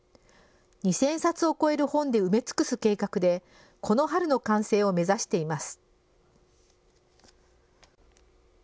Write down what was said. ２０００冊を超える本で埋め尽くす計画で、この春の完成を目指しています。